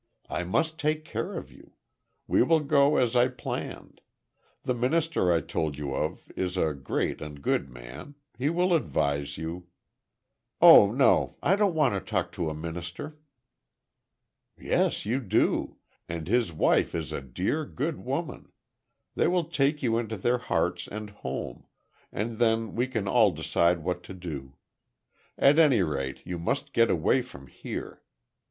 "I must take care of you. We will go, as I planned. The minister I told you of, is a great and good man, he will advise you—" "Oh, no, I don't want to talk to a minister!" "Yes, you do. And his wife is a dear good woman. They will take you into their hearts and home—and then we can all decide what to do. At any rate, you must get away from here.